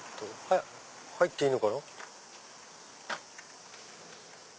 入っていいのかな。